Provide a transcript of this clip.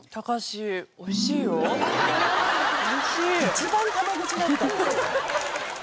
一番タメ口だった。